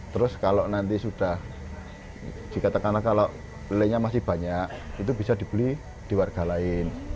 terus kalau nanti sudah jika tekanan kalau lele nya masih banyak itu bisa dibeli di warga lain